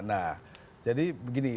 nah jadi begini